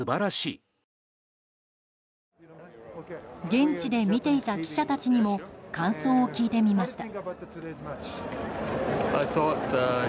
現地で見ていた記者たちにも感想を聞いてみました。